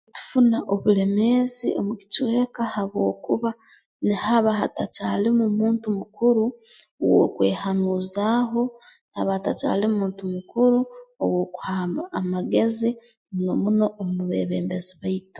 Tufuna obulemeezi omu kicweka habwokuba nihaba hatakyalimu muntu mukuru w'okwehanuuzaaho nihaba hatakyalimu muntu mukuru ow'okuha ama amagezi muno muno omu beebembezi baitu